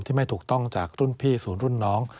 ไม่ถูกต้องจากรุ่นพี่ศูนย์รุ่นน้อง